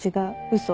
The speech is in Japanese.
嘘。